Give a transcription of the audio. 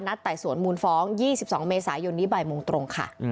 ไต่สวนมูลฟ้อง๒๒เมษายนนี้บ่ายโมงตรงค่ะ